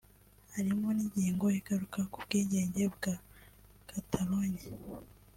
harimo n’ingingo igaruka ku bwigenge bwa Catalogne